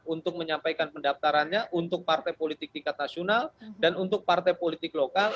untuk menyampaikan pendaftarannya untuk partai politik tingkat nasional dan untuk partai politik lokal